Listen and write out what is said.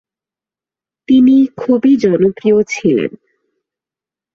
তিনি খুবই জনপ্রিয় ছিলেন।